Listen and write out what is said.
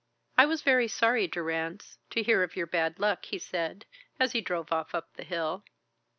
"I was very sorry, Durrance, to hear of your bad luck," he said, as he drove off up the hill.